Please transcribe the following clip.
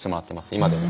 今でも。